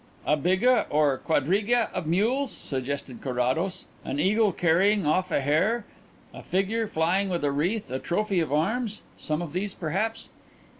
"A biga or quadriga of mules?" suggested Carrados. "An eagle carrying off a hare, a figure flying with a wreath, a trophy of arms? Some of those perhaps?"